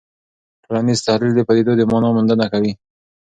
ټولنیز تحلیل د پدیدو د مانا موندنه کوي.